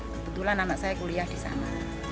kebetulan anak saya kuliah di sana